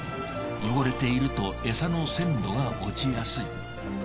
汚れているとエサの鮮度が落ちやすい。